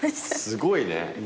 すごいね。